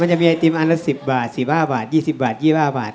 จะมีไอติมอันละ๑๐บาท๑๕บาท๒๐บาท๒๕บาท